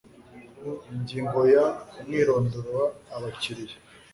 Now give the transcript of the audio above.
ingingo ya umwirondoro w abakiriya